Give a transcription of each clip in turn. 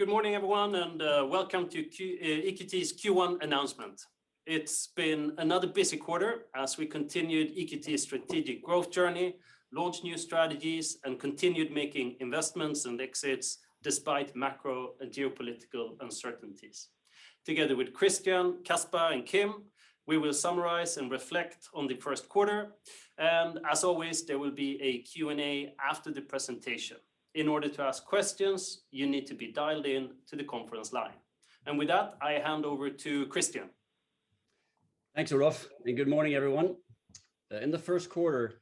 Good morning, everyone, and Welcome to EQT's Q1 Announcement. It's been another busy quarter as we continued EQT's strategic growth journey, launched new strategies, and continued making investments and exits despite macro and geopolitical uncertainties. Together with Christian, Caspar, and Kim, we will summarize and reflect on the first quarter. As always, there will be a Q&A after the presentation. In order to ask questions, you need to be dialed in to the conference line. With that, I hand over to Christian. Thanks, Olof, and good morning, everyone. In the first quarter,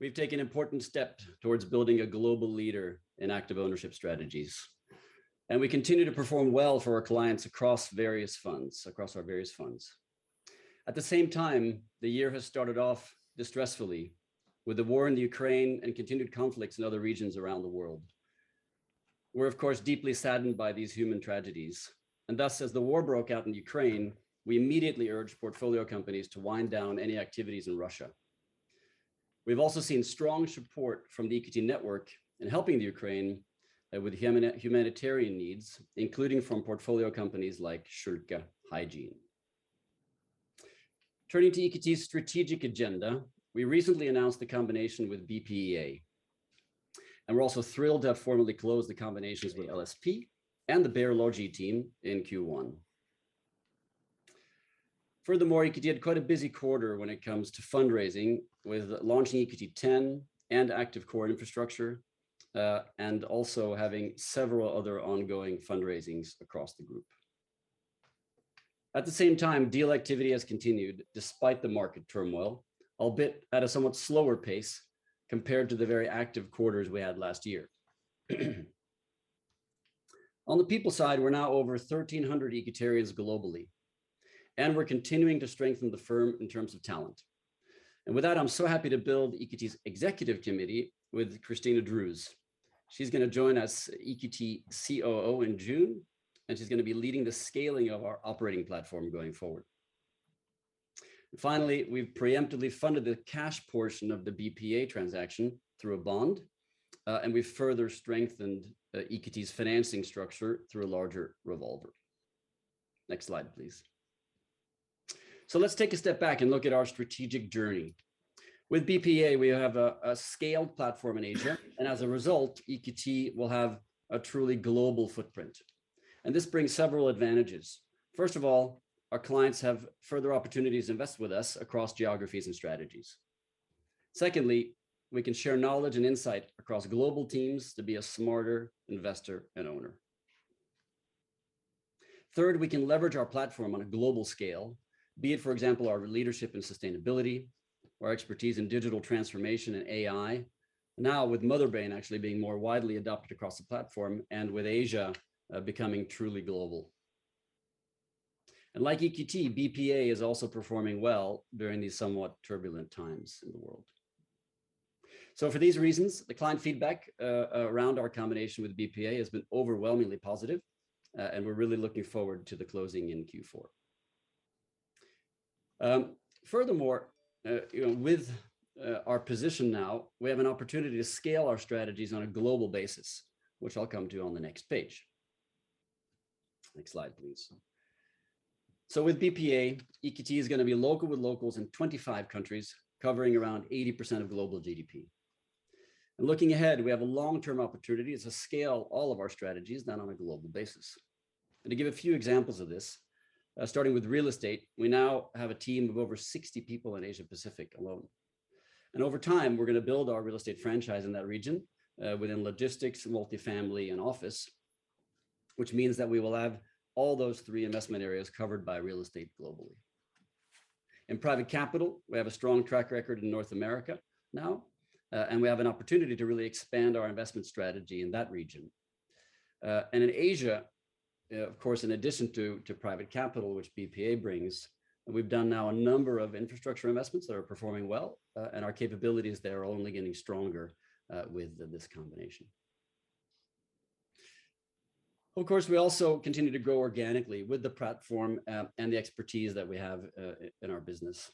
we've taken important steps towards building a global leader in active ownership strategies. We continue to perform well for our clients across our various funds. At the same time, the year has started off distressingly with the war in the Ukraine and continued conflicts in other regions around the world. We're, of course, deeply saddened by these human tragedies, and thus, as the war broke out in Ukraine, we immediately urged portfolio companies to wind down any activities in Russia. We've also seen strong support from the EQT network in helping the Ukraine with humanitarian needs, including from portfolio companies like schülke. Turning to EQT's strategic agenda, we recently announced the combination with BPEA, and we're also thrilled to have formally closed the combinations with LSP and the Bear Logi team in Q1. Furthermore, EQT had quite a busy quarter when it comes to fundraising, with launching EQT X and EQT Active Core Infrastructure, and also having several other ongoing fundraisings across the group. At the same time, deal activity has continued despite the market turmoil, albeit at a somewhat slower pace compared to the very active quarters we had last year. On the people side, we're now over 1,300 EQTarians globally, and we're continuing to strengthen the firm in terms of talent. With that, I'm so happy to build EQT's executive committee with Christina Drews. She's gonna join us as EQT Chief Operating Officer in June, and she's gonna be leading the scaling of our operating platform going forward. Finally, we've preemptively funded the cash portion of the BPEA transaction through a bond, and we further strengthened EQT's financing structure through a larger revolver. Next slide, please. Let's take a step back and look at our strategic journey. With BPEA, we have a scaled platform in Asia, and as a result, EQT will have a truly global footprint. This brings several advantages. First of all, our clients have further opportunities to invest with us across geographies and strategies. Secondly, we can share knowledge and insight across global teams to be a smarter investor and owner. Third, we can leverage our platform on a global scale, be it, for example, our leadership in sustainability, our expertise in digital transformation and AI. Now with Motherbrain actually being more widely adopted across the platform and with Asia becoming truly global. Like EQT, BPEA is also performing well during these somewhat turbulent times in the world. For these reasons, the client feedback around our combination with BPEA has been overwhelmingly positive, and we're really looking forward to the closing in Q4. Furthermore, you know, with our position now, we have an opportunity to scale our strategies on a global basis, which I'll come to on the next page. Next slide, please. With BPEA, EQT is gonna be local with locals in 25 countries, covering around 80% of global GDP. Looking ahead, we have a long-term opportunity to scale all of our strategies now on a global basis. To give a few examples of this, starting with real estate, we now have a team of over 60 people in Asia Pacific alone. Over time, we're gonna build our real estate franchise in that region, within logistics, multifamily, and office, which means that we will have all those three investment areas covered by real estate globally. In private capital, we have a strong track record in North America now, and we have an opportunity to really expand our investment strategy in that region. In Asia, of course, in addition to private capital, which BPEA brings, we've done now a number of infrastructure investments that are performing well, and our capabilities there are only getting stronger with this combination. Of course, we also continue to grow organically with the platform, and the expertise that we have in our business.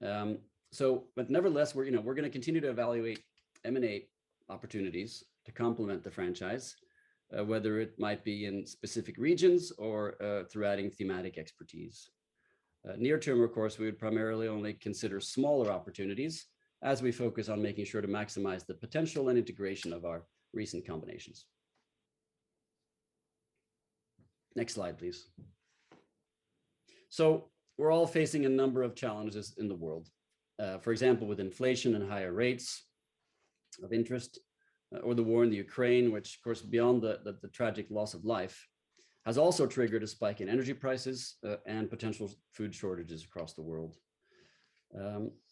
Nevertheless, we're, you know, we're gonna continue to evaluate M&A opportunities to complement the franchise, whether it might be in specific regions or through adding thematic expertise. Near term, of course, we would primarily only consider smaller opportunities as we focus on making sure to maximize the potential and integration of our recent combinations. Next slide, please. We're all facing a number of challenges in the world, for example, with inflation and higher rates of interest, or the war in Ukraine, which of course, beyond the tragic loss of life, has also triggered a spike in energy prices and potential food shortages across the world.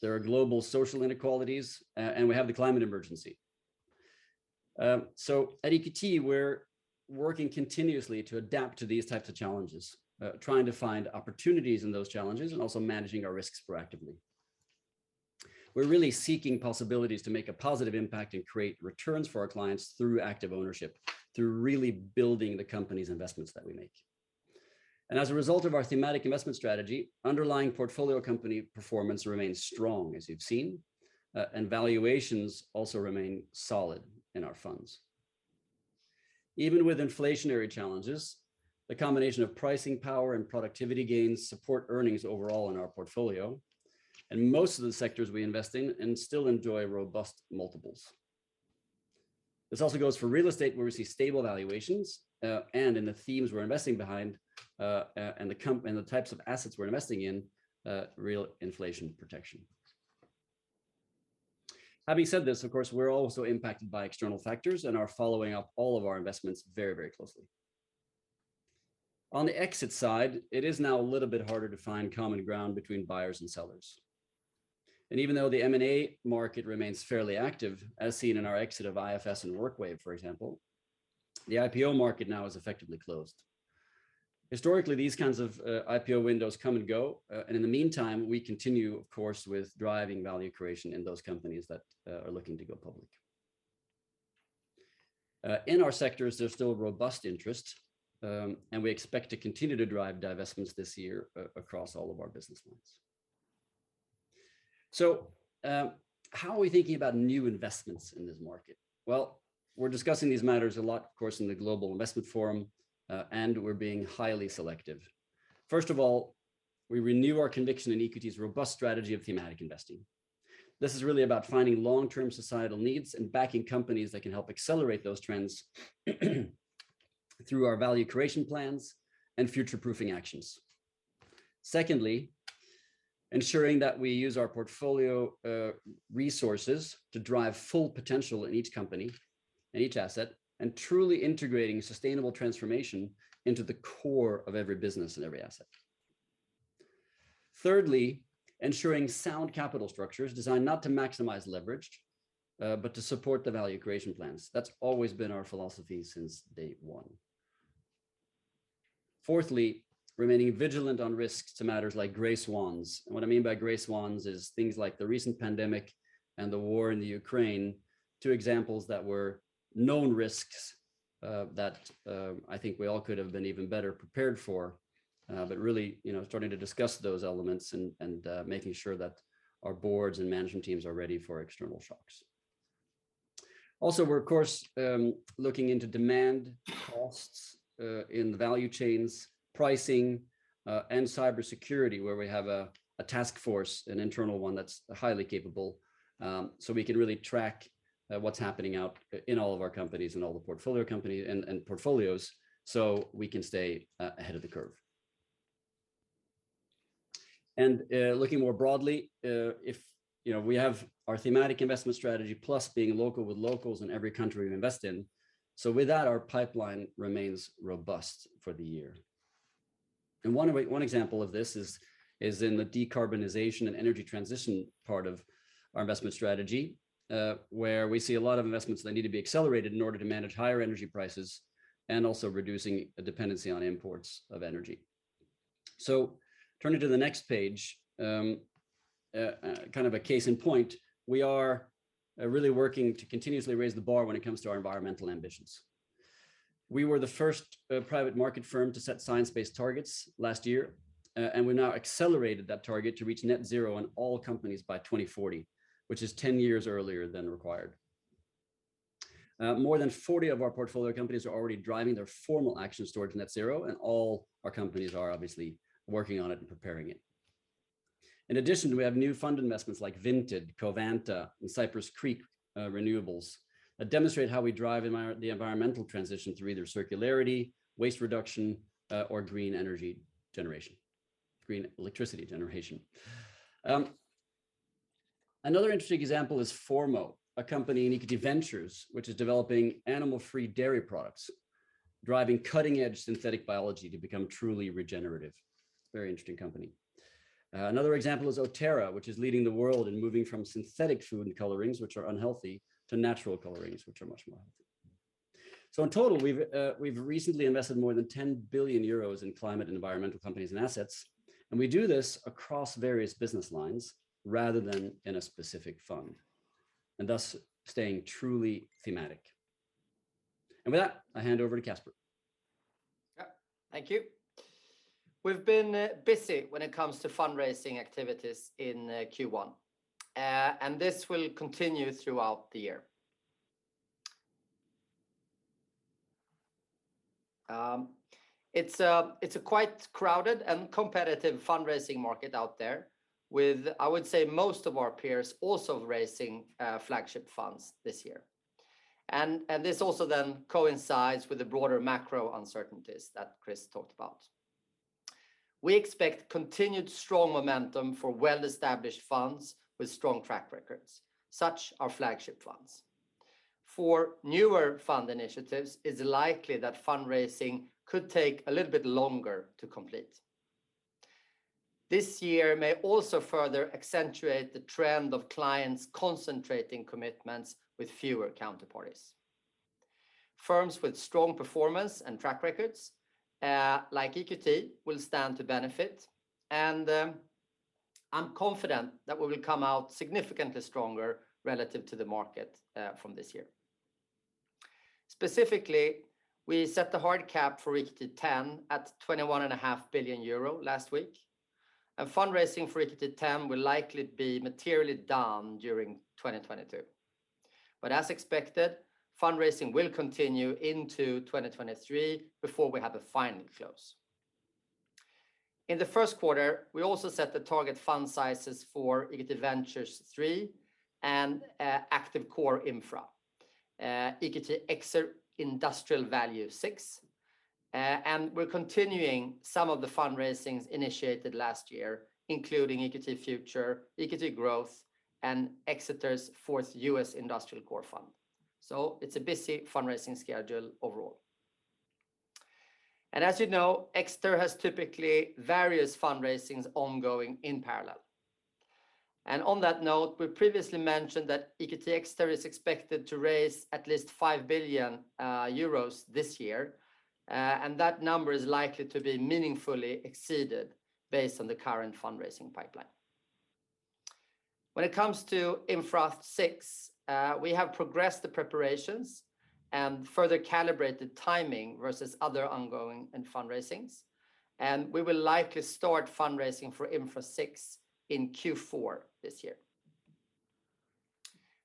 There are global social inequalities, and we have the climate emergency. At EQT, we're working continuously to adapt to these types of challenges, trying to find opportunities in those challenges and also managing our risks proactively. We're really seeking possibilities to make a positive impact and create returns for our clients through active ownership, through really building the company's investments that we make. As a result of our thematic investment strategy, underlying portfolio company performance remains strong as you've seen, and valuations also remain solid in our funds. Even with inflationary challenges, the combination of pricing power and productivity gains support earnings overall in our portfolio, and most of the sectors we invest in and still enjoy robust multiples. This also goes for real estate where we see stable valuations, and in the themes we're investing behind, and the types of assets we're investing in, real inflation protection. Having said this, of course, we're also impacted by external factors and are following up all of our investments very, very closely. On the exit side, it is now a little bit harder to find common ground between buyers and sellers. Even though the M&A market remains fairly active, as seen in our exit of IFS and WorkWave, for example, the IPO market now is effectively closed. Historically, these kinds of IPO windows come and go, and in the meantime, we continue, of course, with driving value creation in those companies that are looking to go public. In our sectors, there's still robust interest, and we expect to continue to drive divestments this year across all of our business lines. How are we thinking about new investments in this market? Well, we're discussing these matters a lot, of course, in the Global Investment Forum, and we're being highly selective. First of all, we renew our conviction in EQT's robust strategy of thematic investing. This is really about finding long-term societal needs and backing companies that can help accelerate those trends through our value creation plans and future-proofing actions. Secondly, ensuring that we use our portfolio resources to drive full potential in each company and each asset, and truly integrating sustainable transformation into the core of every business and every asset. Thirdly, ensuring sound capital structure is designed not to maximize leverage, but to support the value creation plans. That's always been our philosophy since day one. Fourthly, remaining vigilant on risks to matters like gray swans. What I mean by gray swans is things like the recent pandemic and the war in Ukraine, two examples that were known risks that I think we all could have been even better prepared for. Really, you know, starting to discuss those elements and making sure that our boards and management teams are ready for external shocks. Also, we're of course looking into demand costs in the value chains, pricing, and cybersecurity, where we have a task force, an internal one that's highly capable, so we can really track what's happening out in all of our companies and all the portfolio companies and portfolios so we can stay ahead of the curve. Looking more broadly, as you know, we have our thematic investment strategy plus being local with locals in every country we invest in. With that, our pipeline remains robust for the year. One example of this is in the decarbonization and energy transition part of our investment strategy, where we see a lot of investments that need to be accelerated in order to manage higher energy prices and also reducing a dependency on imports of energy. Turning to the next page, kind of a case in point, we are really working to continuously raise the bar when it comes to our environmental ambitions. We were the first private market firm to set science-based targets last year, and we now accelerated that target to reach net zero on all companies by 2040, which is 10 years earlier than required. More than 40 of our portfolio companies are already driving their formal actions towards net zero, and all our companies are obviously working on it and preparing it. In addition, we have new fund investments like Vinted, Covanta, and Cypress Creek Renewables that demonstrate how we drive the environmental transition through either circularity, waste reduction, or green energy generation, green electricity generation. Another interesting example is Formo, a company in EQT Ventures, which is developing animal-free dairy products, driving cutting-edge synthetic biology to become truly regenerative. Very interesting company. Another example is Oterra, which is leading the world in moving from synthetic food colorings, which are unhealthy, to natural colorings, which are much more healthy. In total, we've recently invested more than 10 billion euros in climate and environmental companies and assets, and we do this across various business lines rather than in a specific fund, and thus staying truly thematic. With that, I hand over to Caspar. Yeah. Thank you. We've been busy when it comes to fundraising activities in Q1. This will continue throughout the year. It's quite crowded and competitive fundraising market out there with, I would say, most of our peers also raising flagship funds this year. This also then coincides with the broader macro uncertainties that Chris talked about. We expect continued strong momentum for well-established funds with strong track records, such as our flagship funds. For newer fund initiatives, it's likely that fundraising could take a little bit longer to complete. This year may also further accentuate the trend of clients concentrating commitments with fewer counterparties. Firms with strong performance and track records, like EQT, will stand to benefit, and I'm confident that we will come out significantly stronger relative to the market from this year. Specifically, we set the hard cap for EQT X at 21.5 billion euro last week, and fundraising for EQT X will likely be materially down during 2022. As expected, fundraising will continue into 2023 before we have a final close. In the first quarter, we also set the target fund sizes for EQT Ventures III and EQT Active Core Infrastructure, EQT Exeter Industrial Value Fund VI. We're continuing some of the fundraisings initiated last year, including EQT Future, EQT Growth, and Exeter's US Industrial Core-Plus Fund IV. It's a busy fundraising schedule overall. As you know, Exeter has typically various fundraisings ongoing in parallel. On that note, we previously mentioned that EQT Exeter is expected to raise at least 5 billion euros this year, and that number is likely to be meaningfully exceeded based on the current fundraising pipeline. When it comes to EQT Infrastructure VI, we have progressed the preparations and further calibrate the timing versus other ongoing and fundraisings, and we will likely start fundraising for EQT Infrastructure VI, in Q4 this year.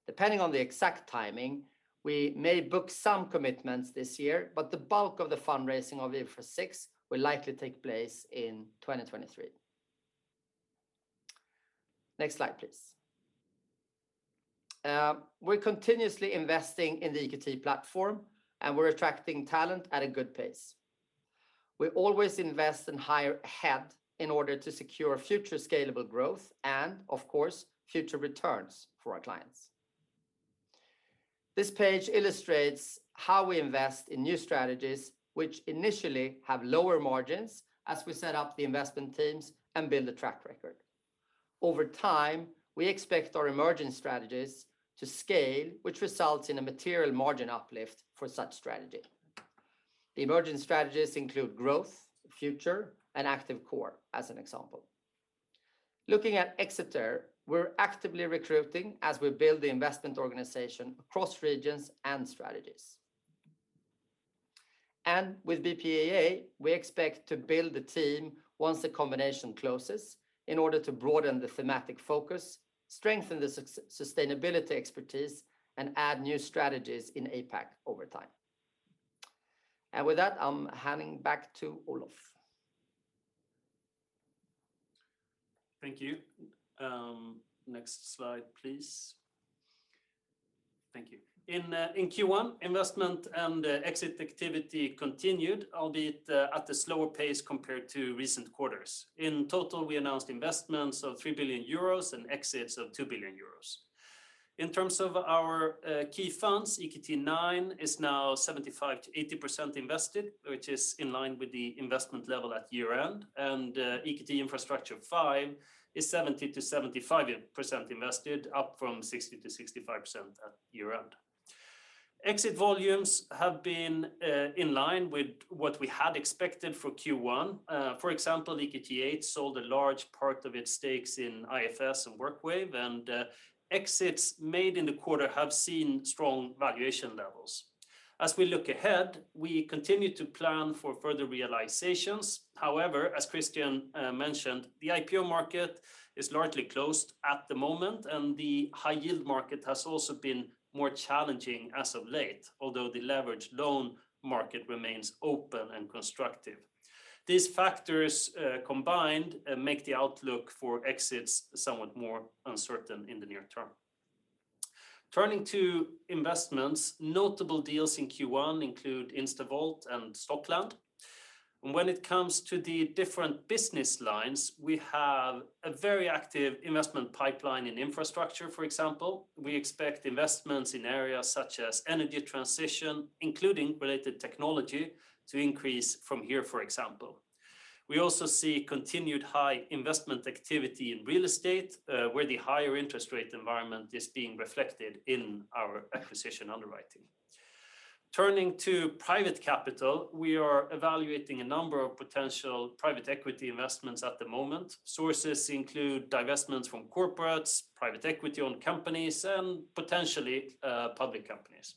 Depending on the exact timing, we may book some commitments this year, but the bulk of the fundraising of EQT Infrastructure VI, will likely take place in 2023. Next slide, please. We're continuously investing in the EQT platform, and we're attracting talent at a good pace. We always invest and hire ahead in order to secure future scalable growth and, of course, future returns for our clients. This page illustrates how we invest in new strategies which initially have lower margins as we set up the investment teams and build a track record. Over time, we expect our emerging strategies to scale, which results in a material margin uplift for such strategy. The emerging strategies include growth, future, and active core as an example. Looking at Exeter, we're actively recruiting as we build the investment organization across regions and strategies. With BPEA, we expect to build the team once the combination closes in order to broaden the thematic focus, strengthen the sustainability expertise, and add new strategies in APAC over time. With that, I'm handing back to Olof. Thank you. Next slide, please. Thank you. In Q1, investment and exit activity continued, albeit at a slower pace compared to recent quarters. In total, we announced investments of 3 billion euros and exits of 2 billion euros. In terms of our key funds, EQT IX is now 75%-80% invested, which is in line with the investment level at year-end. EQT Infrastructure V is 70%-75% invested, up from 60%-65% at year-end. Exit volumes have been in line with what we had expected for Q1. For example, EQT VIII sold a large part of its stakes in IFS and WorkWave, and exits made in the quarter have seen strong valuation levels. As we look ahead, we continue to plan for further realizations. However, as Christian mentioned, the IPO market is largely closed at the moment, and the high-yield market has also been more challenging as of late, although the leveraged loan market remains open and constructive. These factors combined make the outlook for exits somewhat more uncertain in the near term. Turning to investments, notable deals in Q1 include InstaVolt and Stockland. When it comes to the different business lines, we have a very active investment pipeline in infrastructure, for example. We expect investments in areas such as energy transition, including related technology, to increase from here, for example. We also see continued high investment activity in real estate, where the higher interest rate environment is being reflected in our acquisition underwriting. Turning to private capital, we are evaluating a number of potential private equity investments at the moment. Sources include divestments from corporates, private equity-owned companies, and potentially, public companies.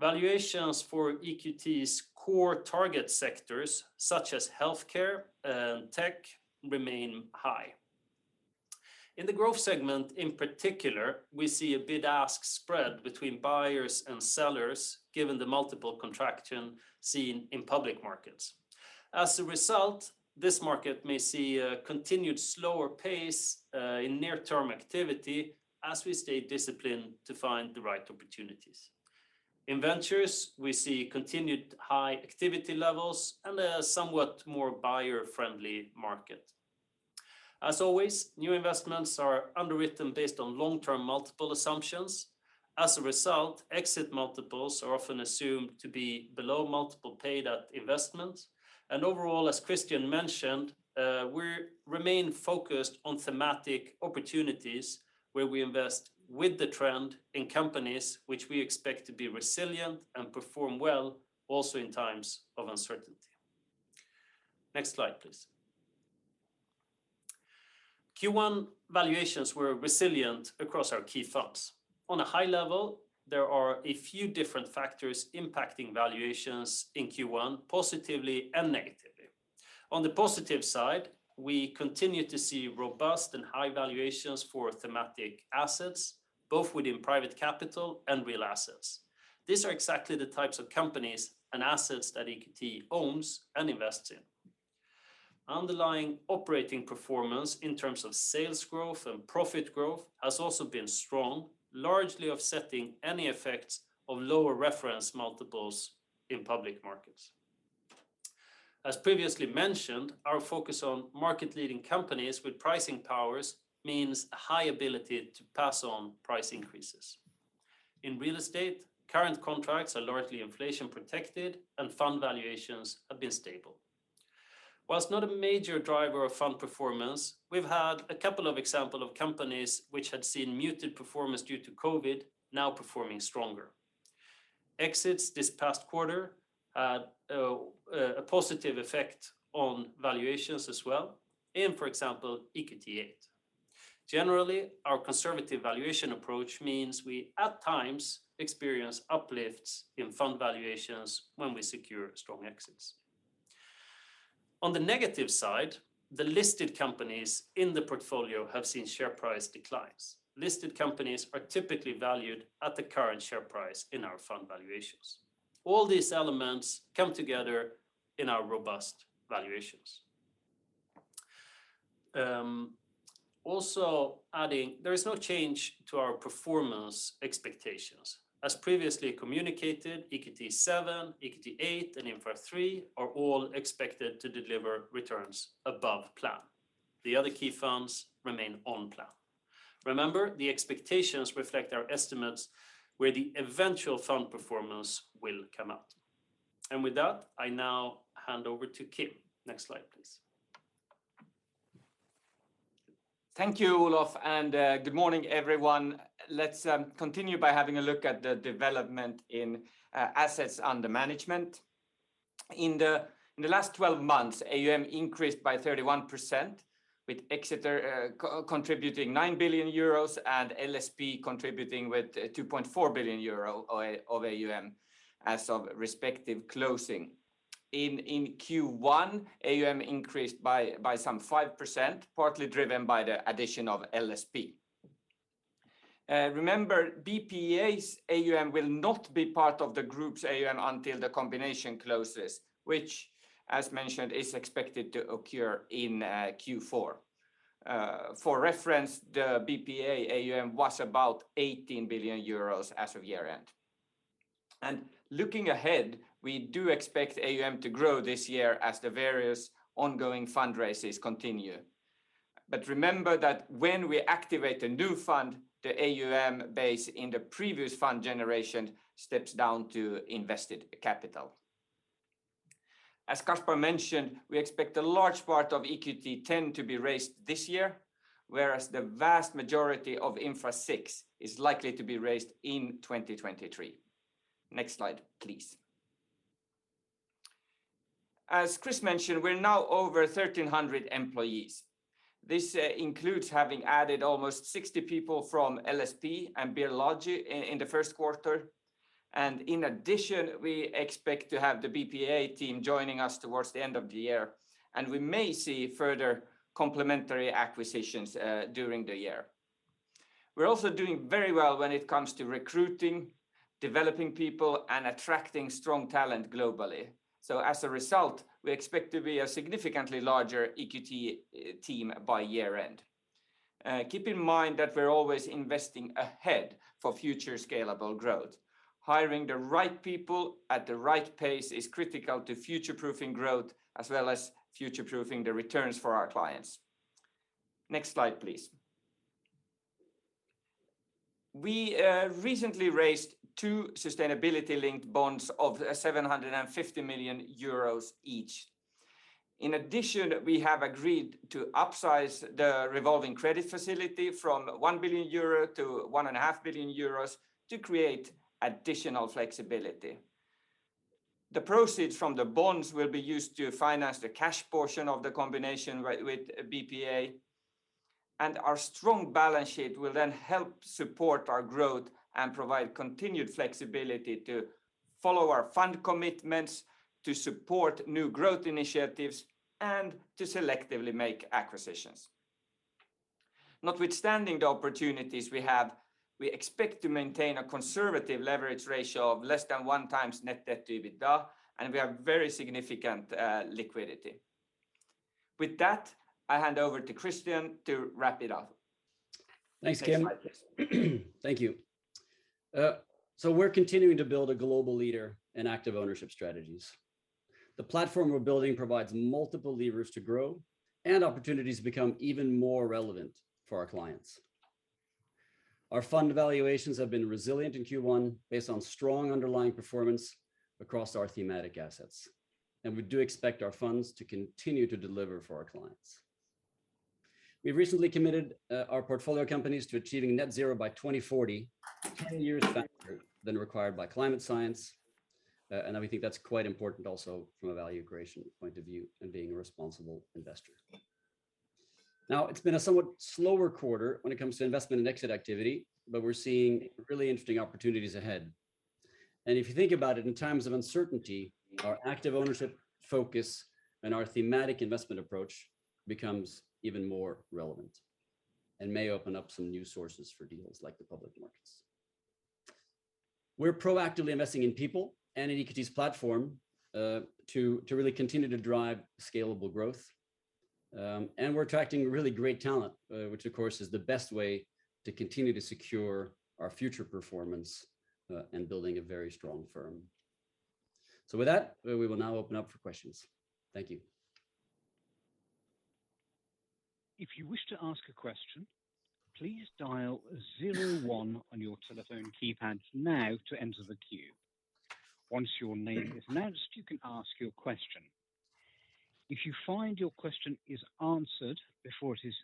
Valuations for EQT's core target sectors such as healthcare and tech remain high. In the growth segment in particular, we see a bid-ask spread between buyers and sellers given the multiple contraction seen in public markets. As a result, this market may see a continued slower pace in near-term activity as we stay disciplined to find the right opportunities. In ventures, we see continued high activity levels and a somewhat more buyer-friendly market. As always, new investments are underwritten based on long-term multiple assumptions. As a result, exit multiples are often assumed to be below multiple paid at investment. Overall, as Christian mentioned, we remain focused on thematic opportunities where we invest with the trend in companies which we expect to be resilient and perform well also in times of uncertainty. Next slide, please. Q1 valuations were resilient across our key funds. On a high level, there are a few different factors impacting valuations in Q1 positively and negatively. On the positive side, we continue to see robust and high valuations for thematic assets, both within private capital and real assets. These are exactly the types of companies and assets that EQT owns and invests in. Underlying operating performance in terms of sales growth and profit growth has also been strong, largely offsetting any effects of lower reference multiples in public markets. As previously mentioned, our focus on market leading companies with pricing powers means a high ability to pass on price increases. In real estate, current contracts are largely inflation protected and fund valuations have been stable. While not a major driver of fund performance, we've had a couple of examples of companies which had seen muted performance due to COVID now performing stronger. Exits this past quarter had a positive effect on valuations as well in, for example, EQT VIII. Generally, our conservative valuation approach means we at times experience uplifts in fund valuations when we secure strong exits. On the negative side, the listed companies in the portfolio have seen share price declines. Listed companies are typically valued at the current share price in our fund valuations. All these elements come together in our robust valuations. Also adding there is no change to our performance expectations. As previously communicated, EQT VII, EQT VIII, and EQT Infrastructure III are all expected to deliver returns above plan. The other key funds remain on plan. Remember, the expectations reflect our estimates where the eventual fund performance will come out. With that, I now hand over to Kim. Next slide, please. Thank you Olof, and good morning, everyone. Let's continue by having a look at the development in assets under management. In the last 12 months, AUM increased by 31% with Exeter co-contributing 9 billion euros and LSP contributing with 2.4 billion euro of AUM as of respective closing. In Q1, AUM increased by some 5%, partly driven by the addition of LSP. Remember BPEA's AUM will not be part of the group's AUM until the combination closes, which as mentioned, is expected to occur in Q4. For reference, the BPEA AUM was about 18 billion euros as of year end. Looking ahead, we do expect AUM to grow this year as the various ongoing fundraises continue. Remember that when we activate a new fund, the AUM base in the previous fund generation steps down to invested capital. As Caspar mentioned, we expect a large part of EQT X to be raised this year, whereas the vast majority of EQT Infrastructure VI, is likely to be raised in 2023. Next slide, please. As Chris mentioned, we're now over 1,300 employees. This includes having added almost 60 people from LSP and Bear Logi in the first quarter, and in addition, we expect to have the BPEA team joining us towards the end of the year, and we may see further complementary acquisitions during the year. We're also doing very well when it comes to recruiting, developing people, and attracting strong talent globally. As a result, we expect to be a significantly larger EQT team by year end. Keep in mind that we're always investing ahead for future scalable growth. Hiring the right people at the right pace is critical to future-proofing growth as well as future-proofing the returns for our clients. Next slide, please. We recently raised two sustainability-linked bonds of 750 million euros each. In addition, we have agreed to upsize the revolving credit facility from 1 billion-1.5 billion euro to create additional flexibility. The proceeds from the bonds will be used to finance the cash portion of the combination with BPEA, and our strong balance sheet will then help support our growth and provide continued flexibility to follow our fund commitments, to support new growth initiatives, and to selectively make acquisitions. Notwithstanding the opportunities we have, we expect to maintain a conservative leverage ratio of less than 1x net debt to EBITDA, and we have very significant liquidity. With that, I hand over to Christian to wrap it up. Thanks, Kim. Next slide please. Thank you. We're continuing to build a global leader in active ownership strategies. The platform we're building provides multiple levers to grow and opportunities to become even more relevant for our clients. Our fund valuations have been resilient in Q1 based on strong underlying performance across our thematic assets, and we do expect our funds to continue to deliver for our clients. We've recently committed our portfolio companies to achieving net zero by 2040, 10 years faster than required by climate science. I think that's quite important also from a value creation point of view and being a responsible investor. Now, it's been a somewhat slower quarter when it comes to investment and exit activity, but we're seeing really interesting opportunities ahead. If you think about it, in times of uncertainty, our active ownership focus and our thematic investment approach becomes even more relevant and may open up some new sources for deals like the public markets. We're proactively investing in people and in EQT's platform to really continue to drive scalable growth. We're attracting really great talent, which of course is the best way to continue to secure our future performance and building a very strong firm. With that, we will now open up for questions. Thank you. If you wish to ask a question, please dial zero one on your telephone keypad now to enter the queue. Once your name is announced, you can ask your question. If you find your question is answered before it is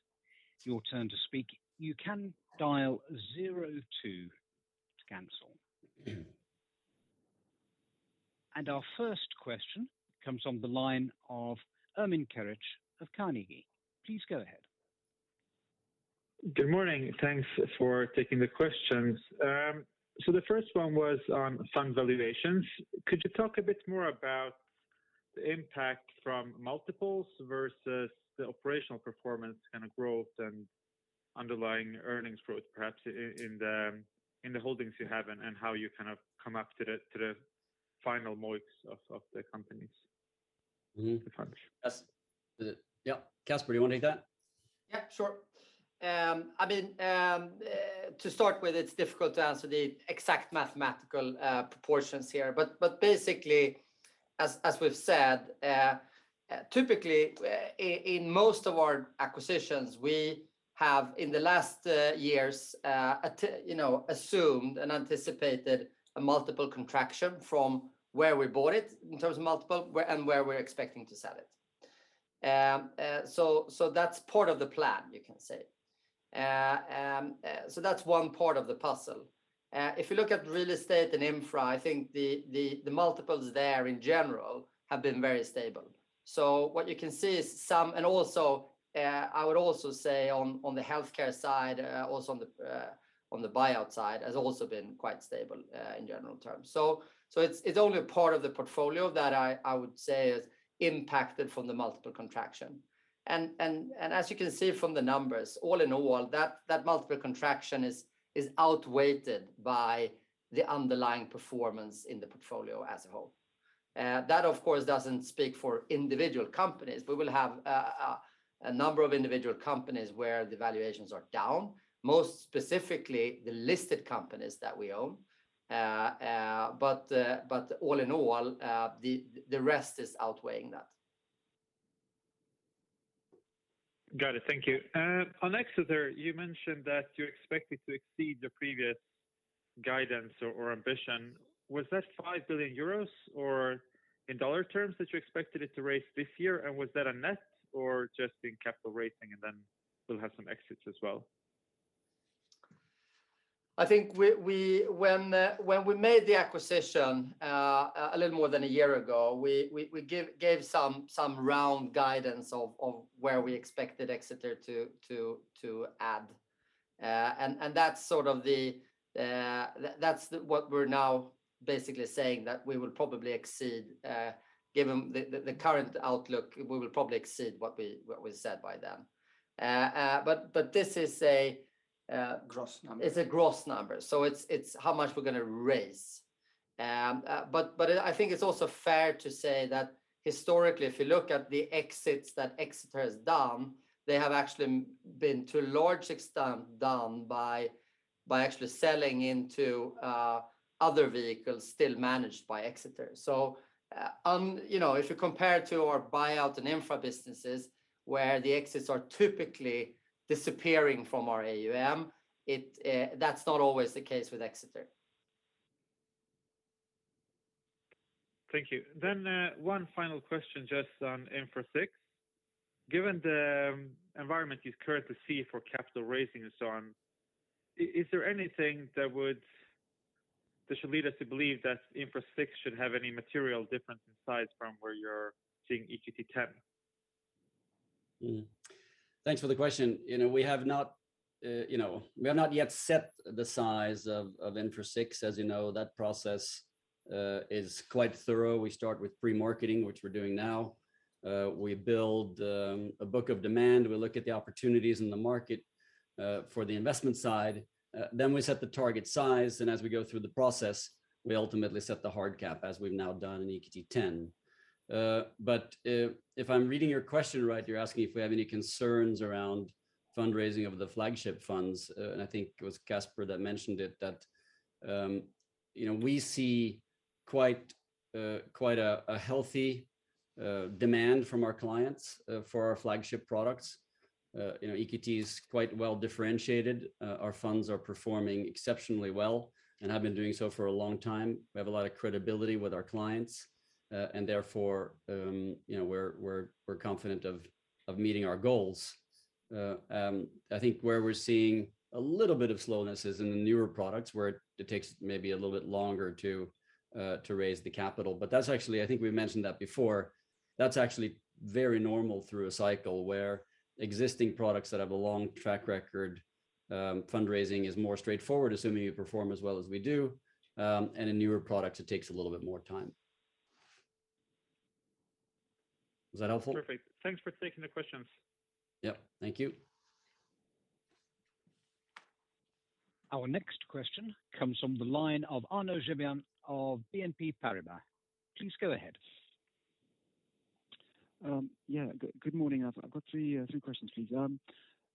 your turn to speak, you can dial zero two to cancel. Our first question comes on the line of Ermin Keric of Carnegie. Please go ahead. Good morning. Thanks for taking the questions. The first one was on fund valuations. Could you talk a bit more about the impact from multiples versus the operational performance and growth and underlying earnings growth, perhaps in the holdings you have and how you kind of come up to the final moats of the companies? Mm-hmm. The funds. Yes. Yeah. Caspar, do you want to take that? Yeah, sure. I mean, to start with, it's difficult to answer the exact mathematical proportions here. Basically, as we've said typically, in most of our acquisitions we have, in the last years, you know assumed and anticipated a multiple contraction from where we bought it in terms of multiple where and where we're expecting to sell it. That's part of the plan, you can say. That's one part of the puzzle. If you look at real estate and infra, I think the multiples there in general have been very stable. Also, I would also say on the healthcare side, also on the buyout side, has also been quite stable, in general terms. It's only a part of the portfolio that I would say is impacted from the multiple contraction. As you can see from the numbers, all in all, that multiple contraction is outweighed by the underlying performance in the portfolio as a whole. That of course doesn't speak for individual companies. We will have a number of individual companies where the valuations are down, most specifically the listed companies that we own. All in all, the rest is outweighing that. Got it. Thank you. On Exeter, you mentioned that you expected to exceed the previous guidance or ambition. Was that 5 billion euros or in dollar terms that you expected it to raise this year? And was that a net or just in capital raising, and then we'll have some exits as well? I think when we made the acquisition a little more than a year ago, we gave some round guidance of where we expected Exeter to add. That's what we're now basically saying that we will probably exceed given the current outlook. We will probably exceed what we said by then. This is a. Gross number. It's a gross number, so it's how much we're gonna raise. I think it's also fair to say that historically, if you look at the exits that Exeter has done, they have actually been to a large extent done by actually selling into other vehicles still managed by Exeter. You know, if you compare to our buyout and infra businesses where the exits are typically disappearing from our AUM, that's not always the case with Exeter. Thank you. One final question just on Infra VI. Given the environment you currently see for capital raising and so on, is there anything that should lead us to believe that Infra VI should have any material difference in size from where you're seeing EQT X? Thanks for the question. You know, we have not yet set the size of Infra VI. As you know, that process is quite thorough. We start with pre-marketing, which we're doing now. We build a book of demand. We look at the opportunities in the market for the investment side. Then we set the target size, and as we go through the process, we ultimately set the hard cap as we've now done in EQT X. But if I'm reading your question right, you're asking if we have any concerns around fundraising of the flagship funds, and I think it was Casper that mentioned it, that you know, we see quite a healthy demand from our clients for our flagship products. You know, EQT is quite well differentiated. Our funds are performing exceptionally well, and have been doing so for a long time. We have a lot of credibility with our clients, and therefore, you know, we're confident of meeting our goals. I think where we're seeing a little bit of slowness is in the newer products where it takes maybe a little bit longer to raise the capital. That's actually, I think we've mentioned that before, very normal through a cycle where existing products that have a long track record, fundraising is more straightforward, assuming you perform as well as we do. In newer products, it takes a little bit more time. Was that helpful? Perfect. Thanks for taking the questions. Yep. Thank you. Our next question comes from the line of Arnaud Giblat of BNP Paribas. Please go ahead. Yeah. Good morning. I've got three questions, please.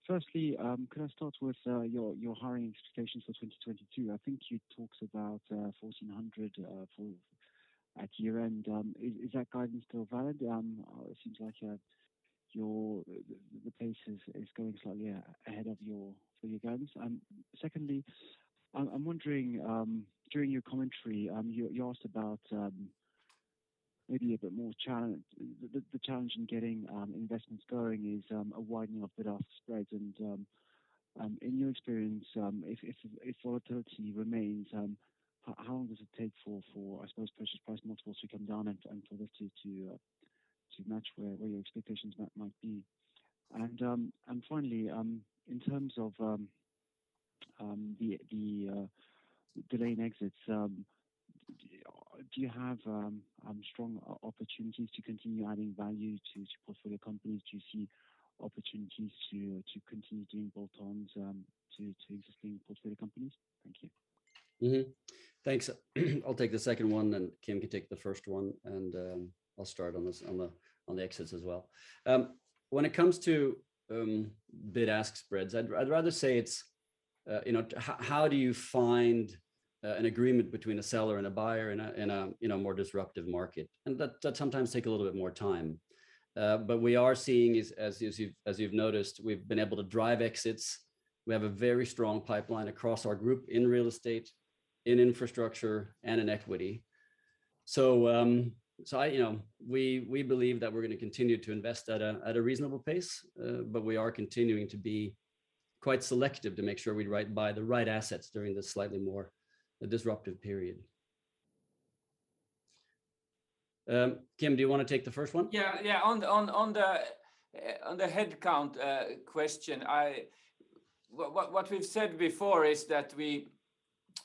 Firstly, could I start with your hiring expectations for 2022? I think you talked about 1,400 for year-end. Is that guidance still valid? It seems like your pace is going slightly ahead of your guidance. Secondly, I'm wondering, during your commentary, you asked about maybe a bit more challenge. The challenge in getting investments going is a widening of bid-ask spreads. In your experience, if volatility remains, how long does it take for purchase price multiples to come down and for this to match where your expectations might be? Finally, in terms of the delay in exits, do you have strong opportunities to continue adding value to portfolio companies? Do you see opportunities to continue doing bolt-ons to existing portfolio companies? Thank you. Thanks. I'll take the second one, then Kim can take the first one, and I'll start on the exits as well. When it comes to bid-ask spreads, I'd rather say it's, you know, how do you find an agreement between a seller and a buyer in a, you know, more disruptive market? That does sometimes take a little bit more time. But we are seeing is, as you've noticed, we've been able to drive exits. We have a very strong pipeline across our group in real estate, in infrastructure, and in equity. You know, we believe that we're gonna continue to invest at a reasonable pace, but we are continuing to be quite selective to make sure we write. Buy the right assets during this slightly more disruptive period. Kim, do you wanna take the first one? On the headcount question, what we've said before is that we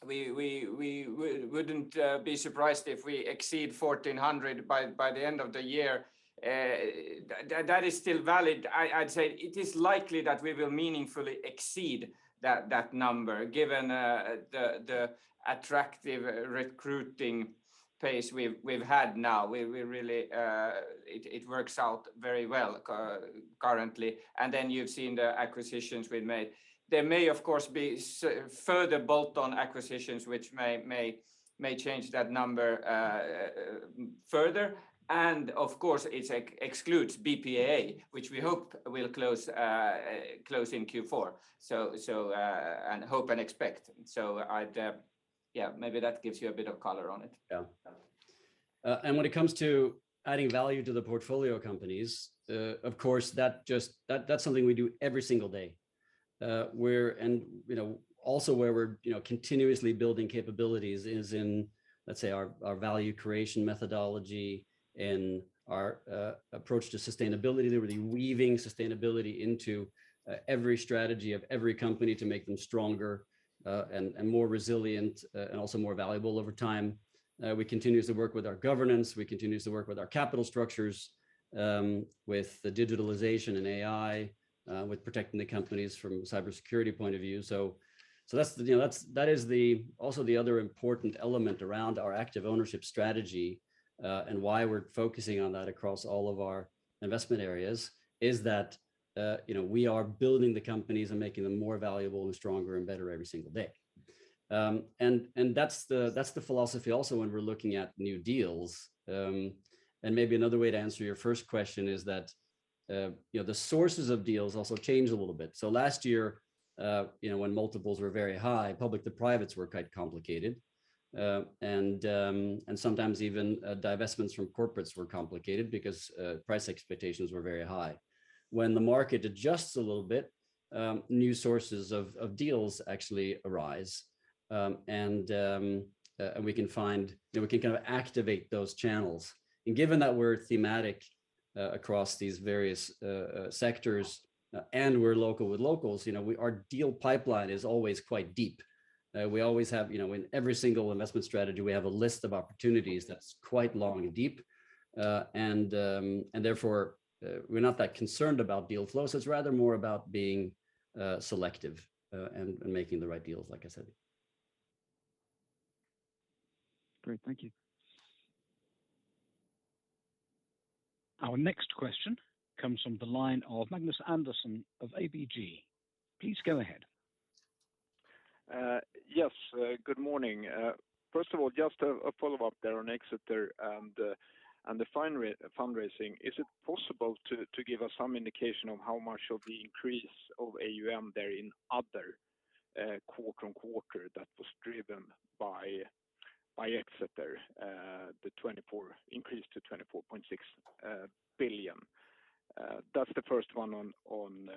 wouldn't be surprised if we exceed 1,400 by the end of the year. That is still valid. I'd say it is likely that we will meaningfully exceed that number given the attractive recruiting pace we've had now. We really. It works out very well currently. You've seen the acquisitions we've made. There may, of course, be further bolt-on acquisitions which may change that number further. Of course, it excludes BPEA, which we hope and expect will close in Q4. Yeah. Maybe that gives you a bit of color on it. Yeah. When it comes to adding value to the portfolio companies, of course, that's something we do every single day. We're also, you know, where we're, you know, continuously building capabilities is in, let's say, our value creation methodology and our approach to sustainability. Really weaving sustainability into every strategy of every company to make them stronger, and more resilient, and also more valuable over time. We continuously work with our governance, we continuously work with our capital structures, with the digitalization and AI, with protecting the companies from cybersecurity point of view. That's, you know, that is the. Also the other important element around our active ownership strategy, and why we're focusing on that across all of our investment areas is that, you know, we are building the companies and making them more valuable and stronger and better every single day. And that's the philosophy also when we're looking at new deals. Maybe another way to answer your first question is that, you know, the sources of deals also change a little bit. Last year, you know, when multiples were very high, public to privates were quite complicated. And sometimes even divestments from corporates were complicated because price expectations were very high. When the market adjusts a little bit, new sources of deals actually arise. And we can find You know, we can kind of activate those channels. Given that we're thematic across these various sectors, and we're local with locals, you know, our deal pipeline is always quite deep. You know, in every single investment strategy, we have a list of opportunities that's quite long and deep. Therefore, we're not that concerned about deal flows. It's rather more about being selective, and making the right deals, like I said. Great. Thank you. Our next question comes from the line of Magnus Andersson of ABG. Please go ahead. Yes. Good morning. First of all, just a follow-up there on Exeter and the fundraising. Is it possible to give us some indication of how much of the increase of AUM there in the quarter-over-quarter that was driven by Exeter there, the 24 increase to 24.6 billion. That's the first one on AUM.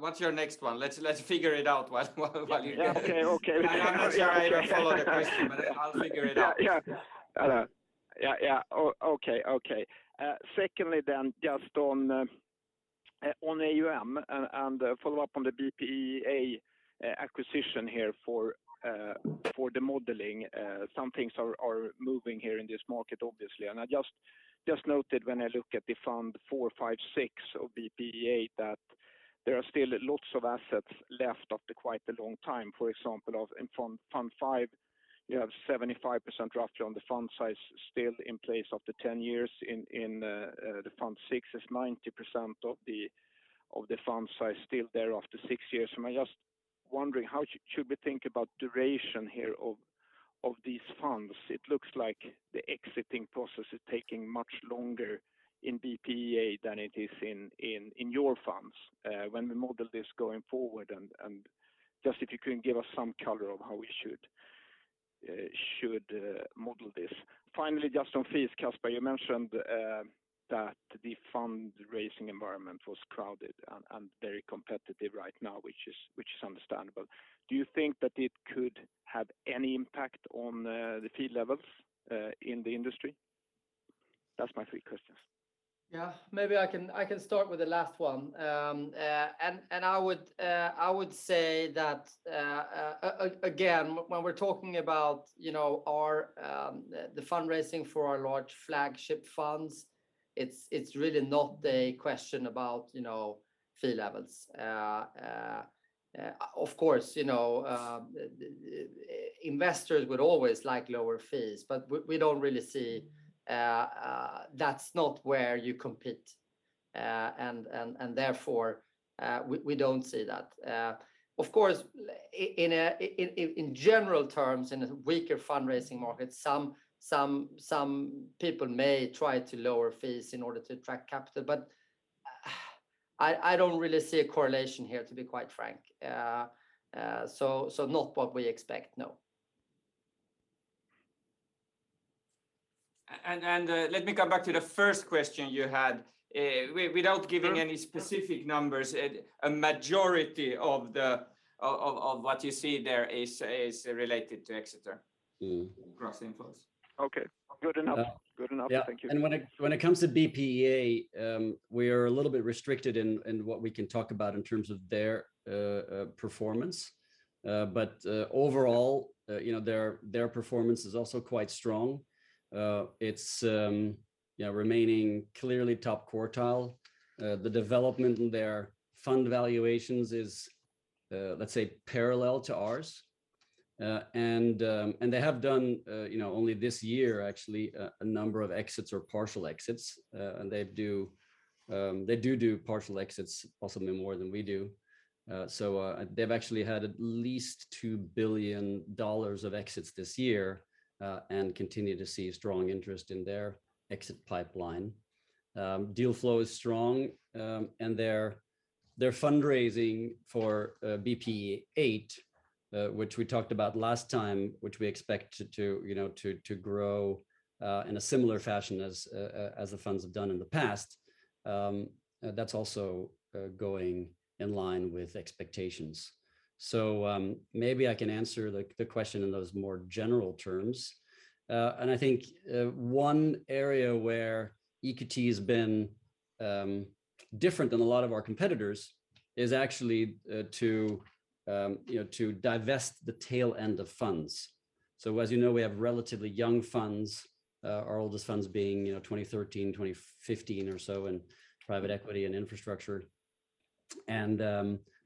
What's your next one? Let's figure it out while you're Okay. Okay. I'm not sure I even follow the question, but I'll figure it out. Secondly, just on AUM and follow up on the BPEA acquisition here for the modeling. Some things are moving here in this market, obviously. I just noted when I look at the EQT IV, V, VI of BPEA that there are still lots of assets left after quite a long time. For example, in EQT V, you have 75% drawn on the fund size still in place after 10 years. EQT VI is 90% of the fund size still there after six years. I'm just wondering how should we think about duration here of these funds? It looks like the exiting process is taking much longer in BPEA than it is in your funds when we model this going forward and just if you can give us some color on how we should model this. Finally, just on fees, Casper, you mentioned that the fundraising environment was crowded and very competitive right now, which is understandable. Do you think that it could have any impact on the fee levels in the industry? That's my three questions. Yeah. Maybe I can start with the last one. I would say that again, when we're talking about, you know, our the fundraising for our large flagship funds, it's really not a question about, you know, fee levels. Of course, you know, investors would always like lower fees, but we don't really see. That's not where you compete, and therefore, we don't see that. Of course, in general terms, in a weaker fundraising market, some people may try to lower fees in order to attract capital. But I don't really see a correlation here, to be quite frank. So not what we expect. No. Let me come back to the first question you had. Without giving any specific numbers, a majority of what you see there is related to Exeter. Mm-hmm. Gross inflows. Okay. Good enough. Thank you. Yeah. When it comes to BPEA, we are a little bit restricted in what we can talk about in terms of their performance. Overall, you know, their performance is also quite strong. It's remaining clearly top quartile. The development in their fund valuations is, let's say, parallel to ours. They have done, you know, only this year actually, a number of exits or partial exits. They do partial exits, possibly more than we do. They've actually had at least $2 billion of exits this year and continue to see strong interest in their exit pipeline. Deal flow is strong, and their fundraising for BPEA, which we talked about last time, which we expect to, you know, to grow in a similar fashion as the funds have done in the past, that's also going in line with expectations. Maybe I can answer the question in those more general terms. I think one area where EQT has been different than a lot of our competitors is actually, you know, to divest the tail end of funds. As you know, we have relatively young funds, our oldest funds being, you know, 2013, 2015 or so in private equity and infrastructure.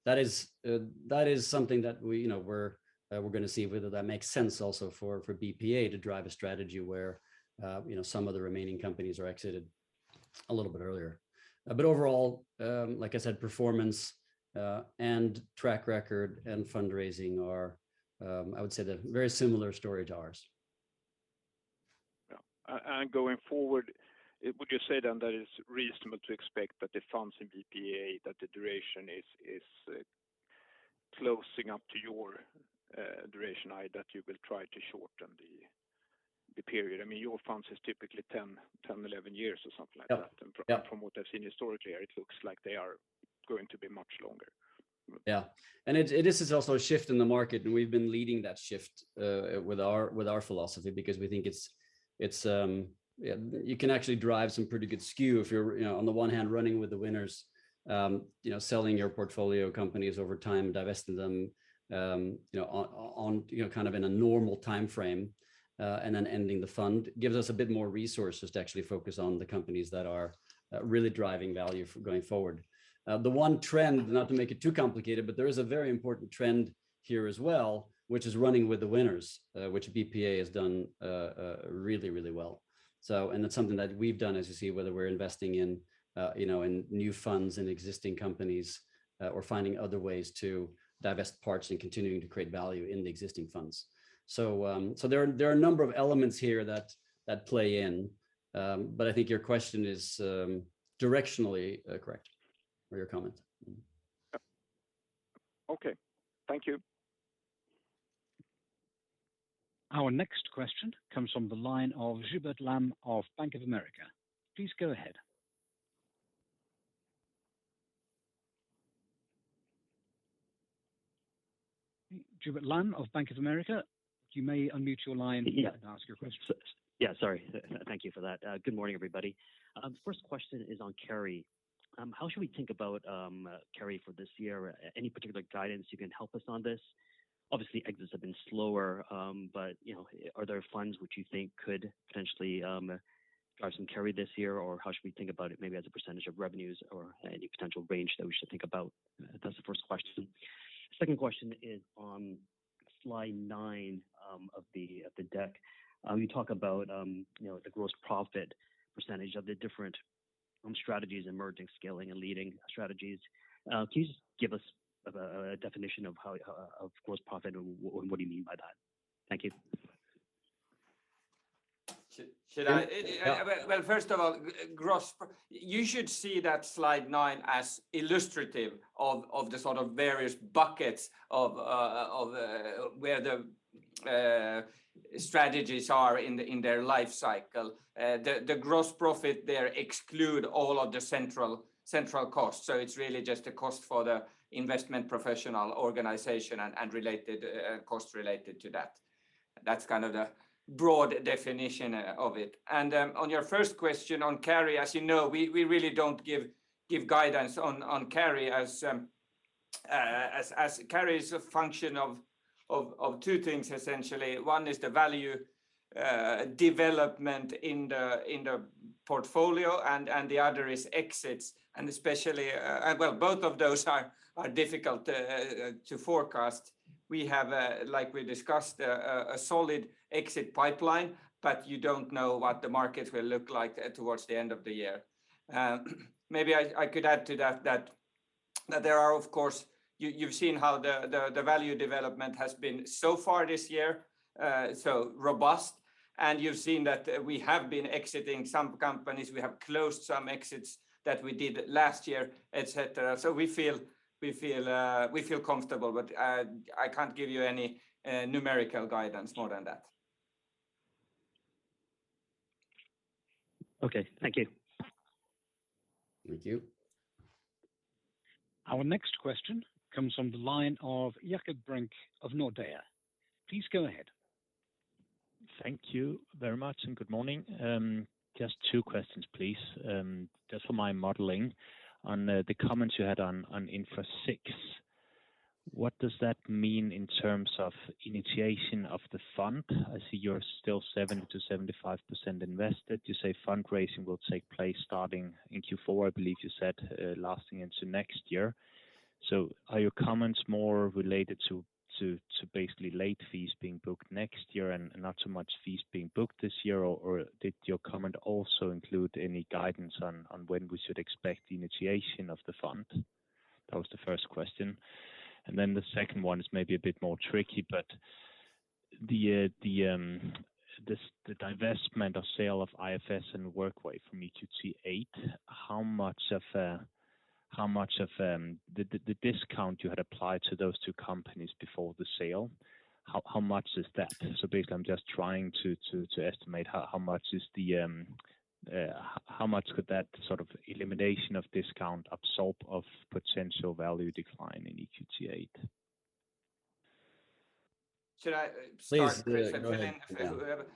That is something that we, you know, we're gonna see whether that makes sense also for BPEA to drive a strategy where, you know, some of the remaining companies are exited a little bit earlier. Overall, like I said, performance, and track record and fundraising are, I would say, the very similar story to ours. Yeah. Going forward, would you say then that it's reasonable to expect that the funds in BPEA, that the duration is closing up to your duration, i.e., that you will try to shorten the period? I mean, your funds is typically 10, 11 years or something like that. Yeah. Yeah. From what I've seen historically, it looks like they are going to be much longer. Yeah. This is also a shift in the market, and we've been leading that shift with our philosophy because we think it's. You can actually drive some pretty good skew if you're, you know, on the one hand running with the winners, you know, selling your portfolio companies over time, divesting them, you know, on, you know, kind of in a normal timeframe, and then ending the fund gives us a bit more resources to actually focus on the companies that are really driving value for going forward. The one trend, not to make it too complicated, but there is a very important trend here as well, which is running with the winners, which BPEA has done really well. it's something that we've done as you see whether we're investing in you know in new funds and existing companies or finding other ways to divest parts and continuing to create value in the existing funds. there are a number of elements here that play in. I think your question is, directionally, correct or your comment. Okay. Thank you. Our next question comes from the line of Hubert Lam of Bank of America. Please go ahead. Hubert Lam of Bank of America, you may unmute your line. Yeah Ask your question. Yeah, sorry. Thank you for that. Good morning, everybody. First question is on carry. How should we think about carry for this year? Any particular guidance you can help us on this? Obviously, exits have been slower, but you know, are there funds which you think could potentially drive some carry this year? Or how should we think about it maybe as a percentage of revenues or any potential range that we should think about? That's the first question. Second question is on slide nine of the deck. You talk about you know, the gross profit percentage of the different strategies, emerging, scaling, and leading strategies. Can you just give us a definition of gross profit and what do you mean by that? Thank you. Should i? Yeah. Well, first of all, you should see that slide nine as illustrative of the sort of various buckets of where the strategies are in their life cycle. The gross profit there excludes all of the central costs. So it's really just a cost for the investment professional organization and related costs related to that. That's kind of the broad definition of it. On your first question on carry, as you know, we really don't give guidance on carry as carry is a function of two things, essentially. One is the value development in the portfolio and the other is exits. Well, both of those are difficult to forecast. We have, like we discussed, a solid exit pipeline, but you don't know what the market will look like towards the end of the year. Maybe I could add to that that there are, of course, you've seen how the value development has been so far this year, so robust, and you've seen that we have been exiting some companies, we have closed some exits that we did last year, etc. We feel comfortable. I can't give you any numerical guidance more than that. Okay. Thank you. Thank you. Our next question comes from the line of Jakob Brink of Nordea. Please go ahead. Thank you very much, and good morning. Just two questions, please. Just for my modeling on the comments you had on Infra VI. What does that mean in terms of initiation of the fund? I see you're still 70%-75% invested. You say fundraising will take place starting in Q4, I believe you said, lasting into next year. Are your comments more related to basically late fees being booked next year and not so much fees being booked this year? Or did your comment also include any guidance on when we should expect the initiation of the fund? That was the first question. The second one is maybe a bit more tricky, but the divestment of sale of IFS and WorkWave from EQT VIII, how much of the discount you had applied to those two companies before the sale, how much is that? Basically, I'm just trying to estimate how much could that sort of elimination of discount absorb of potential value decline in EQT VIII? Should I start, Chris? Please, go ahead.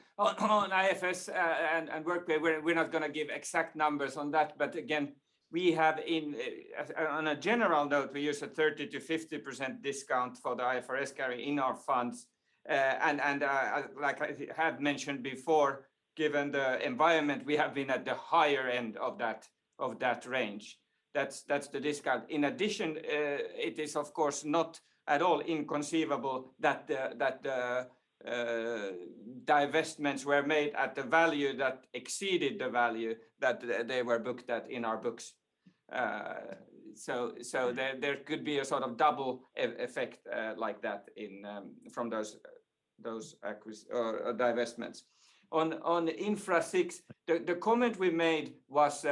and WorkWave, we're not gonna give exact numbers on that. Again, on a general note, we use a 30%-50% discount for the IFRS carry in our funds. Like I have mentioned before, given the environment, we have been at the higher end of that range. That's the discount. In addition, it is of course not at all inconceivable that the divestments were made at the value that exceeded the value that they were booked at in our books. There could be a sort of double effect like that from those divestments. On Infra VI, the comment we made was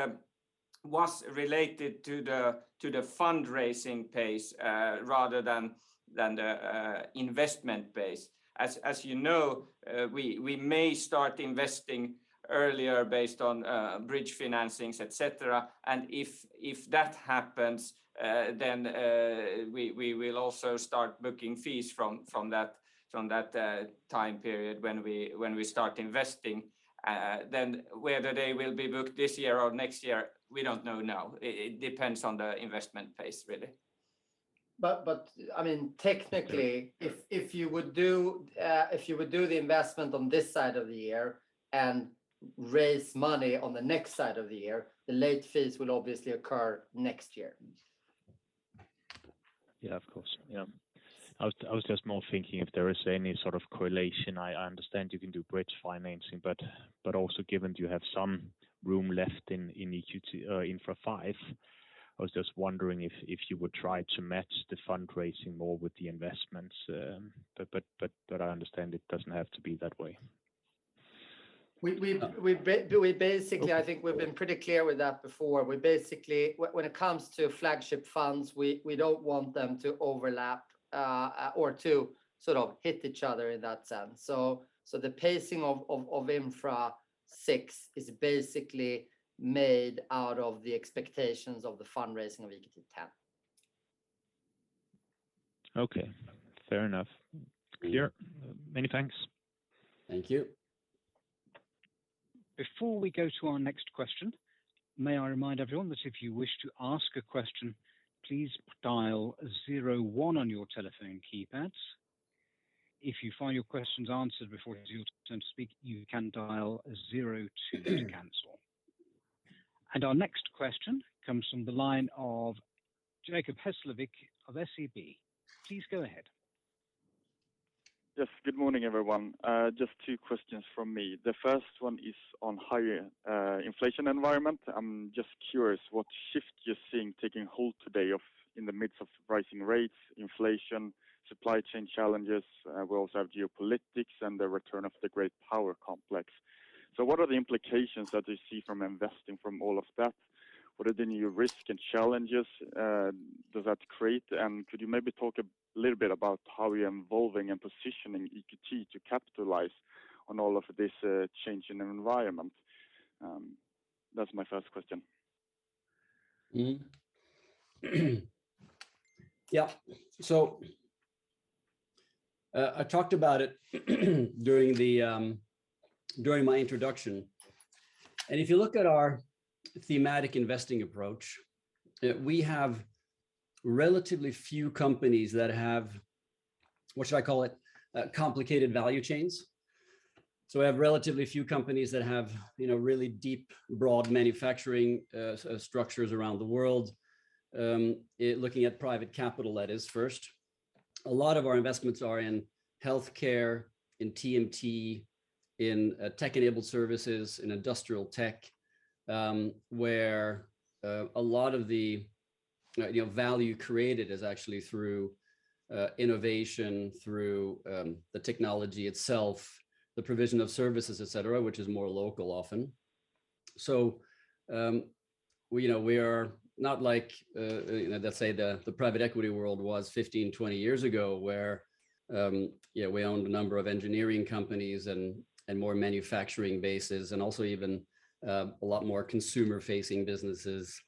related to the fundraising pace rather than the investment base. As you know, we may start investing earlier based on bridge financings, etc. If that happens, then we will also start booking fees from that time period when we start investing. Whether they will be booked this year or next year, we don't know now. It depends on the investment pace, really. I mean, technically, if you would do the investment on this side of the year and raise money on the next side of the year, the late fees will obviously occur next year. Yeah, of course. Yeah. I was just more thinking if there is any sort of correlation. I understand you can do bridge financing, but also given you have some Room left in EQT Infra V. I was just wondering if you would try to match the fundraising more with the investments. I understand it doesn't have to be that way. We basically think we've been pretty clear with that before. We basically, when it comes to flagship funds, we don't want them to overlap or to sort of hit each other in that sense. The pacing of Infra VI is basically made out of the expectations of the fundraising of EQT X. Okay. Fair enough clear. Many thanks. Thank you. Before we go to our next question, may I remind everyone that if you wish to ask a question, please dial zero one on your telephone keypads. If you find your questions answered before it is your turn to speak, you can dial zero two to cancel. Our next question comes from the line of Jacob Hesslevik of SEB. Please go ahead. Yes. Good morning, everyone. Just two questions from me. The first one is on higher inflation environment. I'm just curious what shift you're seeing taking hold today of in the midst of rising rates, inflation, supply chain challenges. We also have geopolitics and the return of the great power complex. What are the implications that you see from investing from all of that? What are the new risk and challenges does that create? And could you maybe talk a little bit about how you're evolving and positioning EQT to capitalize on all of this change in environment? That's my first question. Yeah. I talked about it during my introduction. If you look at our thematic investing approach, we have relatively few companies that have complicated value chains. We have relatively few companies that have you know, really deep, broad manufacturing structures around the world, looking at private capital that is first. A lot of our investments are in healthcare, in TMT, in tech-enabled services, in industrial tech, where a lot of the you know, value created is actually through innovation, through the technology itself, the provision of services, etc., which is more local often. We you know we are not like you know let's say the private equity world was 15, 20 years ago, where yeah we owned a number of engineering companies and more manufacturing bases and also even a lot more consumer-facing businesses,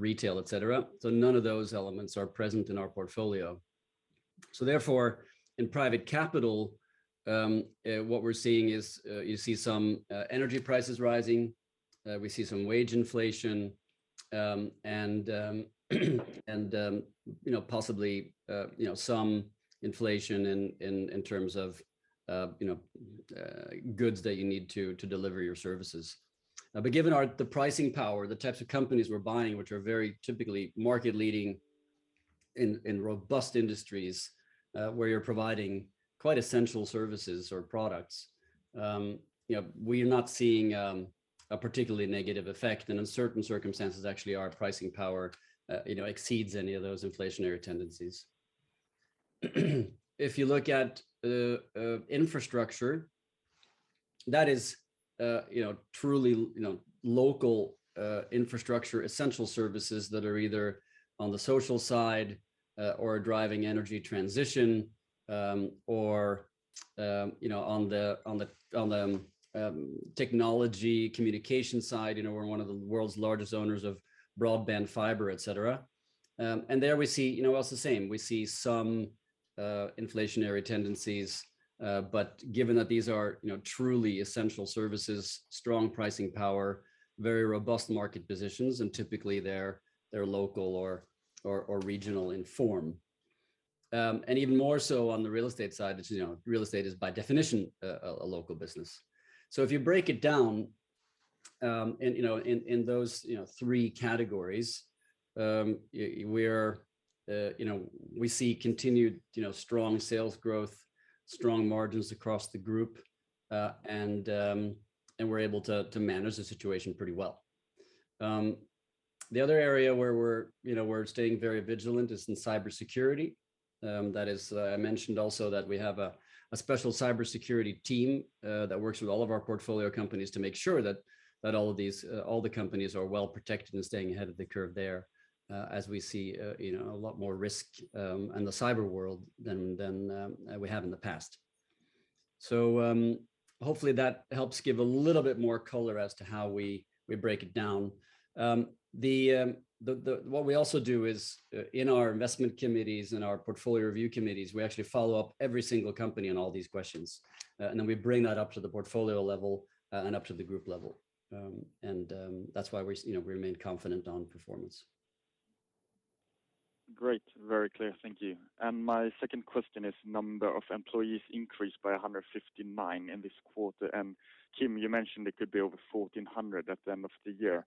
retail, etc., None of those elements are present in our portfolio. Therefore, in private capital, what we're seeing is you see some energy prices rising, we see some wage inflation, and you know possibly you know some inflation in terms of you know goods that you need to deliver your services. Given the pricing power, the types of companies we're buying, which are very typically market leading in robust industries, where you're providing quite essential services or products, you know, we are not seeing a particularly negative effect. In certain circumstances, actually, our pricing power, you know, exceeds any of those inflationary tendencies. If you look at infrastructure that is, you know, truly local infrastructure essential services that are either on the social side, or driving energy transition, or you know, on the technology communication side. You know, we're one of the world's largest owners of broadband fiber, etc. There we see, you know, well, it's the same. We see some inflationary tendencies, but given that these are, you know, truly essential services, strong pricing power, very robust market positions, and typically they're local or regional in form. Even more so on the real estate side, which is, you know, real estate is by definition a local business. If you break it down, you know, in those three categories, you know, we see continued, you know, strong sales growth, strong margins across the group, and we're able to manage the situation pretty well. The other area where we're staying very vigilant is in cybersecurity. That is, I mentioned also that we have a special cybersecurity team that works with all of our portfolio companies to make sure that all the companies are well protected and staying ahead of the curve there, as we see, you know, a lot more risk in the cyber world than we have in the past. Hopefully, that helps give a little bit more color as to how we break it down. What we also do is, in our investment committees and our portfolio review committees, we actually follow up every single company on all these questions, and then we bring that up to the portfolio level, and up to the group level. That's why we, you know, we remain confident on performance. Great. Very clear. Thank you. My second question is, number of employees increased by 159 in this quarter. Kim, you mentioned it could be over 1,400 at the end of the year.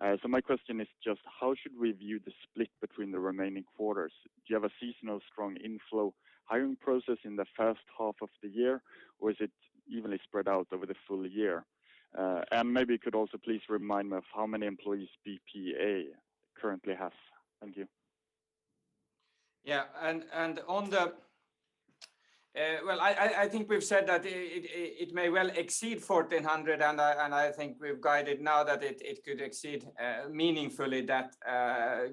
So my question is just how should we view the split between the remaining quarters? Do you have a seasonal strong inflow hiring process in the first half of the year, or is it evenly spread out over the full year? Maybe you could also please remind me of how many employees BPEA currently has. Thank you. Well, I think we've said that it may well exceed 1,400, and I think we've guided now that it could exceed meaningfully that,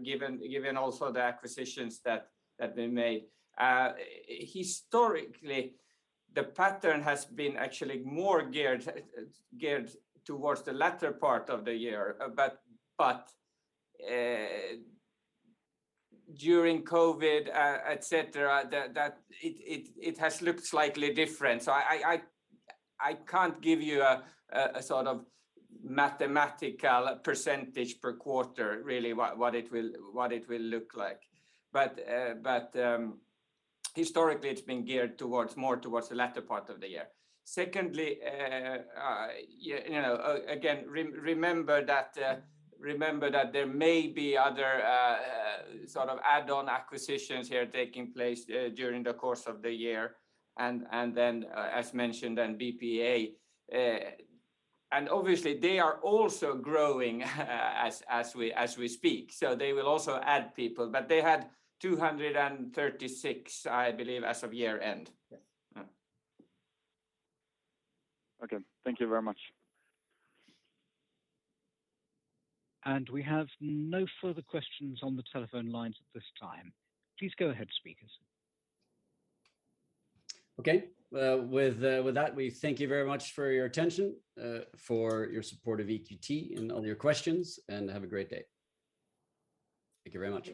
given also the acquisitions that we made. Historically, the pattern has been actually more geared towards the latter part of the year. During COVID, etc., it has looked slightly different. I can't give you a sort of mathematical percentage per quarter, really, what it will look like. Historically it's been geared more towards the latter part of the year. Secondly, you know, remember that there may be other sort of add-on acquisitions here taking place during the course of the year and then, as mentioned on BPEA. Obviously they are also growing as we speak, so they will also add people. They had 236, I believe, as of year-end. Yes. Okay. Thank you very much. We have no further questions on the telephone lines at this time. Please go ahead, speakers. Okay. With that, we thank you very much for your attention, for your support of EQT and all your questions, and have a great day. Thank you very much.